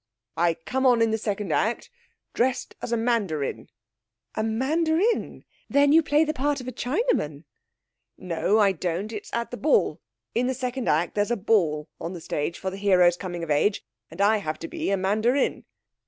'I come on in the second act, dressed as a mandarin.' 'A mandarin! Then you play the part of a Chinaman?' 'No, I don't. It's at the ball. In the second act, there's a ball on the stage for the hero's coming of age and I have to be a mandarin.'